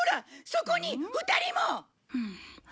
そこに２人も！